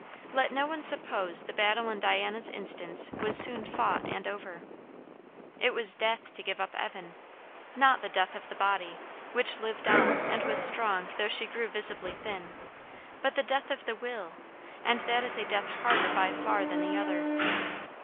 Let no one suppose the battle in Diana's instance was soon fought and over. It was death to give up Evan; not the death of the body, which lived on and was strong though she grew visibly thin, but the death of the will; and that is a death harder by far than the other.